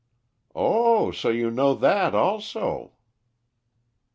"Oh, so you know that also?"